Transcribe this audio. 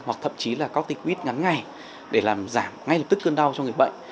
hoặc thậm chí là có tích huyết ngắn ngày để làm giảm ngay lập tức cơn đau cho người bệnh